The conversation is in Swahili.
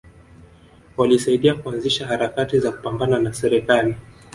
Walisaidia kuanzisha harakati za kupambana na serikali